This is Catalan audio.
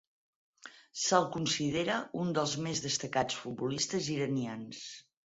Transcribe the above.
Se'l considera un dels més destacats futbolistes iranians.